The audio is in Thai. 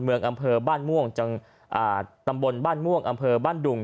เมืองอำเภอบ้านม่วงอ่าตำบลบ้านม่วงอำเภอบ้านดุง